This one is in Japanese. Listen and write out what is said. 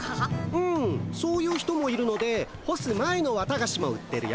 うんそういう人もいるので干す前のわたがしも売ってるよ。